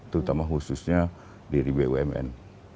terutama khususnya dari bumn